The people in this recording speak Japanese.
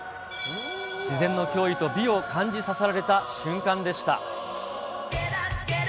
自然の驚異と美を感じさせられた瞬間でした。